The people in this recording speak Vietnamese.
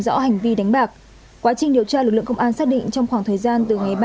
rõ hành vi đánh bạc quá trình điều tra lực lượng công an xác định trong khoảng thời gian từ ngày ba tháng